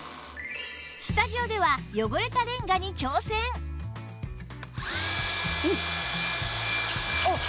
スタジオでは汚れたレンガに挑戦あっ！